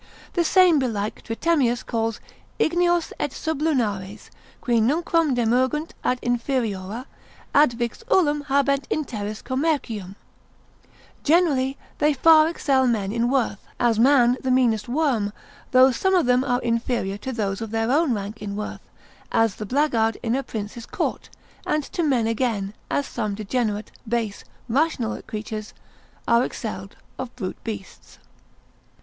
The same belike Tritemius calls Ignios et sublunares, qui nunquam demergunt ad inferiora, aut vix ullum habent in terris commercium: Generally they far excel men in worth, as a man the meanest worm; though some of them are inferior to those of their own rank in worth, as the blackguard in a prince's court, and to men again, as some degenerate, base, rational creatures, are excelled of brute beasts.